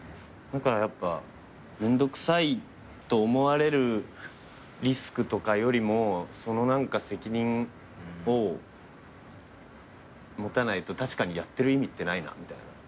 だからやっぱめんどくさいと思われるリスクとかよりもその何か責任を持たないと確かにやってる意味ってないなみたいな。